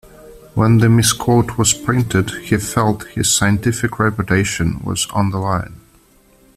When the misquote was printed, he felt his scientific reputation was on the line.